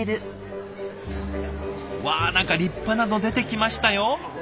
うわ何か立派なの出てきましたよ？